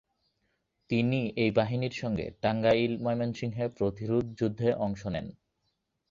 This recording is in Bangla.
তিনি এই বাহিনীর সঙ্গে টাঙ্গাইল-ময়মনসিংহে প্রতিরোধ যুদ্ধে অংশ নেন।